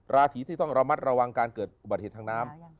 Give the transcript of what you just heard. ราศีที่ต้องระมัดระวังการเกิดอุบัติเหตุทางน้ำ